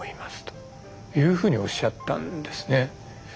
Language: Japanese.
というふうにおっしゃったんですね。